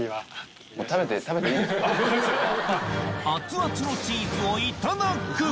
熱々のチーズをいただく！